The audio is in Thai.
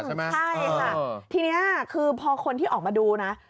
ใช่ค่ะทีนี้คือพอคนที่ออกมาดูนะ